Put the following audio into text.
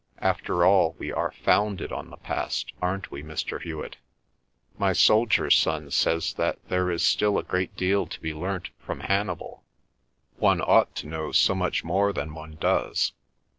After all we are founded on the past, aren't we, Mr. Hewet? My soldier son says that there is still a great deal to be learnt from Hannibal. One ought to know so much more than one does.